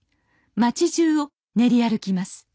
町じゅうを練り歩きます。